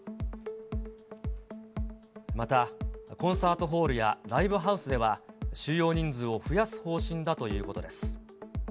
また、コンサートホールやライブハウスでは、収容人数を増やす方針だということです。